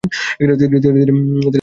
তিনি একটা লাল শার্ট পরেন।